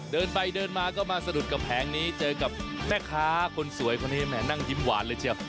เดินไปเดินมาก็มาสะดุดกับแผงนี้เจอกับแม่ค้าคนสวยคนนี้แห่นั่งยิ้มหวานเลยเชียว